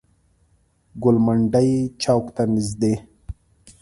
ګوالمنډۍ چوک ته نزدې.